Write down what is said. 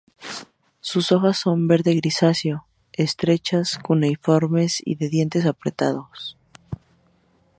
Sus hojas son verde grisáceo, estrechas, cuneiformes y de dientes apretados.